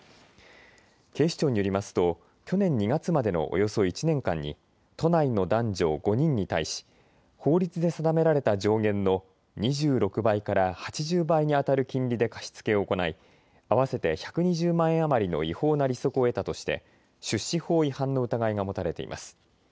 警視庁によりますと去年２月までのおよそ１年間に都内の男女５人に対し法律で定められた上限の２６倍から８０倍にあたる金利で貸し付けを行い合わせて１２０万円余りの違法な利息を得たとして出資法違反の疑いが持たれています。